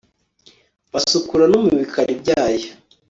basukura no mu bikari byayo